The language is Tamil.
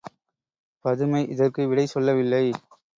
பதுமை இதற்கு விடை சொல்லவில்லை.